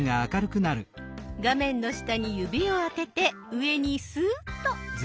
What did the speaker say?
画面の下に指をあてて上にスーッと。